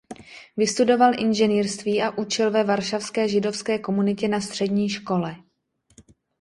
Vystudoval inženýrství a učil ve varšavské židovské komunitě na střední škole.